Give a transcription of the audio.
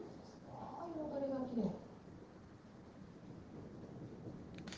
わ彩りがきれい！